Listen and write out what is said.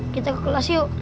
kita ke kelas yuk